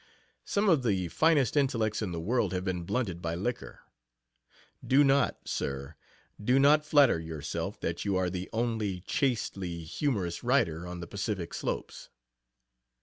Some of the finest intellects in the world have been blunted by liquor. Do not, sir do not flatter yourself that you are the only chastely humorous writer onto the Pacific slopes.